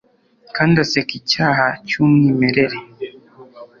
Kandi aseka Icyaha cy'umwimerere.